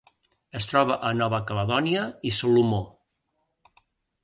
Es troba a Nova Caledònia i Salomó.